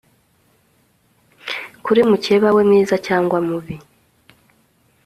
kuri mukeba we, mwiza cyangwa mubi